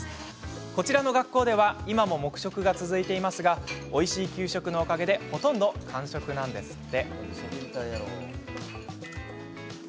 こちらの学校では今も黙食が続いていますがおいしい給食のおかげでほとんど完食なんですって。